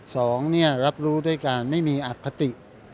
สองรับรู้ด้วยการไม่มีอัพพะติ